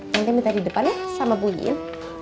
nanti minta di depan ya sama bu yin